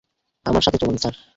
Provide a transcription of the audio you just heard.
আমার সাথে চলুন, স্যার।